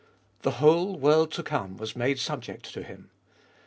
The whole world to come was made sub ject to him.